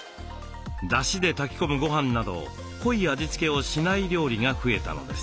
ごはんなど濃い味付けをしない料理が増えたのです。